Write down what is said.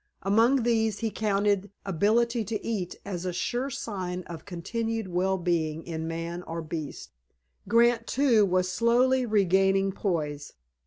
Among these he counted ability to eat as a sure sign of continued well being in man or beast. Grant, too, was slowly regaining poise.